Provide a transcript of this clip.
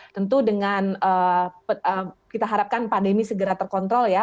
tentu dengan kita harapkan pandemi segera terkontrol ya